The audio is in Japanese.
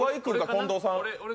近藤さん？